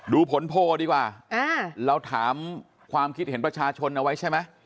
ดูผลโพลดีกว่าเราถามความคิดเห็นประชาชนเอาไว้ใช่ไหม